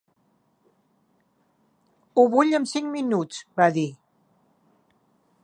"Ho vull en cinc minuts," va dir.